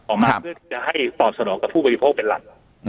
ออกมาเพื่อที่จะให้ตอบสนองกับผู้บริโภคเป็นหลัก